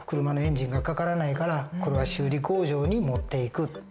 車のエンジンがかからないからこれは修理工場に持っていく。